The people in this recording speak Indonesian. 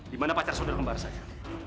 dimana pacar saudara kembar saya